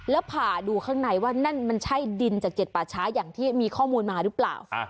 แล้วผ่าดูข้างในว่านั่นมันใช่ดินจาก๗ป่าช้าอย่างที่มีข้อมูลมาหรือเปล่า